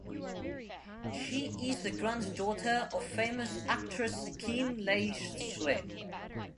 She is the granddaughter of famous actress Khin Lay Swe.